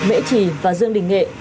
mễ trì và dương đình nghệ